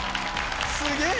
すげえ！